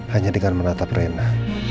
hanya dengan menatap rena